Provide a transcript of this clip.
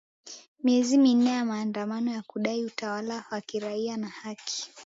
miezi minne ya maandamano ya kudai utawala wa kiraia na haki